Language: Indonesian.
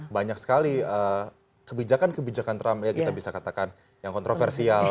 banyak sekali kebijakan kebijakan trump ya kita bisa katakan yang kontroversial